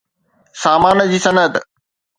سامان جي صنعت